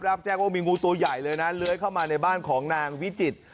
รับแจ้งว่ามีงูตัวใหญ่เลยนะเลื้อยเข้ามาในบ้านของนางวิจิตร